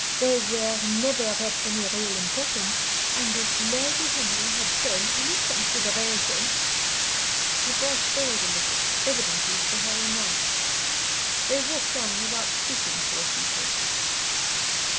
They were never of any real importance, and if Lady Henry had shown any consideration " Her voice failed her a little, evidently to her annoyance. They walked on without speaking for a few paces.